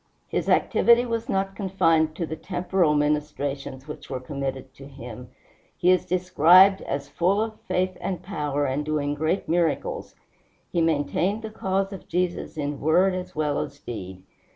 His activity was not confined to the temporal ministrations which were committed to him. He is described as "full of faith and power, and doing great miracles." He maintained the cause of Jesus in word as well as deed.